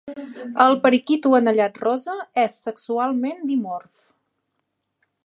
El periquito anellat rosa és sexualment dimorf.